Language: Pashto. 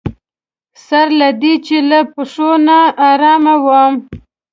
سره له دې چې له پښو ناارامه وم.